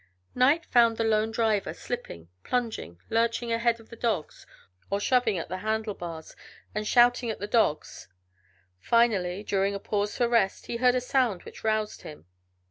Night found the lone driver slipping, plunging, lurching ahead of the dogs, or shoving at the handle bars and shouting at the dogs. Finally, during a pause for rest he heard a sound which roused him.